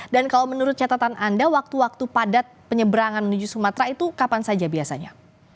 dan kalau menurut catatan anda waktu waktu padat penyeberangan menuju sumatera itu kapan saja biasanya